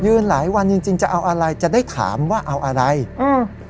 หลายวันจริงจริงจะเอาอะไรจะได้ถามว่าเอาอะไรอืม